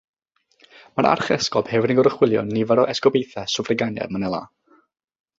Mae'r Archesgob hefyd yn goruchwylio nifer o esgobaethau swffraganiaid Manila.